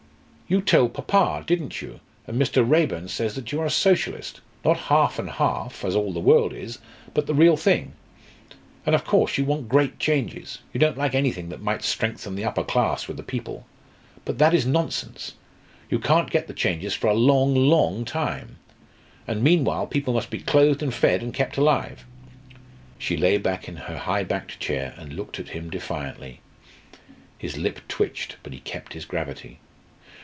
You told papa didn't you? and Mr. Raeburn says that you are a Socialist not half and half, as all the world is, but the real thing? And of course you want great changes: you don't like anything that might strengthen the upper class with the people. But that is nonsense. You can't get the changes for a long long time. And, meanwhile, people must be clothed and fed and kept alive." She lay back in her high backed chair and looked at him defiantly. His lip twitched, but he kept his gravity.